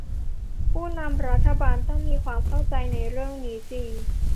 ผู้นำรัฐบาลต้องมีความเข้าใจเรื่องนี้จริง